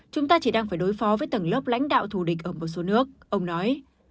chúng ta chỉ đang phải đối phó với tầng lớp lãnh đạo thù địch ở một số nước ông nói